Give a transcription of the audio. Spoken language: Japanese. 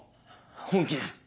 本気です。